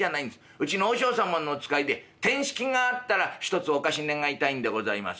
うちの和尚様のお使いでてんしきがあったら一つお貸し願いたいんでございます」。